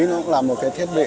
nó cũng là một cái thiết bị